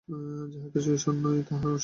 যাহা কিছু ঈশ্বর নয়, তাহা অস্বীকার কর।